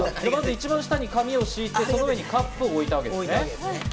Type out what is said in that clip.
一番下に紙を敷いて、その上にカップを置いたんですね。